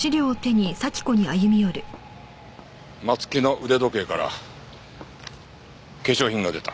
松木の腕時計から化粧品が出た。